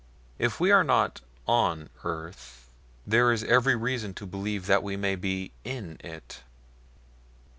If we are not ON earth, there is every reason to believe that we may be IN it."